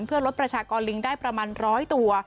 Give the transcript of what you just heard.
เพื่อลดประชากรลิงได้ประมาณ๑๐๐ตัว